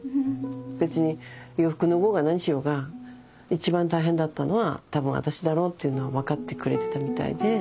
別に洋服脱ごうが何しようがいちばん大変だったのは多分私だろうっていうのは分かってくれてたみたいで。